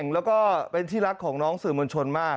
แล้วก็เป็นที่รักของน้องสื่อมวลชนมาก